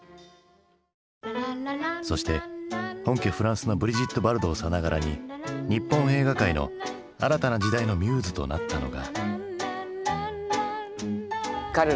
そして本家フランスのブリジット・バルドーさながらに日本映画界の新たな時代のミューズとなったのが。